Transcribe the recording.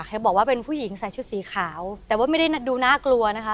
เขาบอกว่าเป็นผู้หญิงใส่ชุดสีขาวแต่ว่าไม่ได้ดูน่ากลัวนะคะ